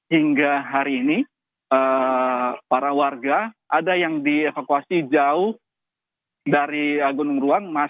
hingga hari ini para warga ada yang dievakuasi jauh dari gunung ruang